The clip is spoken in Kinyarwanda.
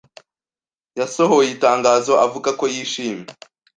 yasohoye itangazo avuga ko yishimye